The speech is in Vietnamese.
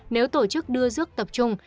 nếu tổ chức đưa dước tập trung